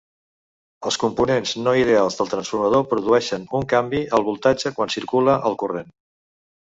Els components no ideals del transformador produeixen un canvi al voltatge quan circula el corrent.